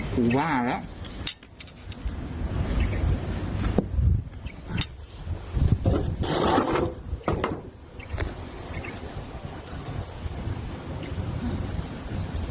กูว่าแล้ว